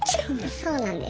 そうなんです。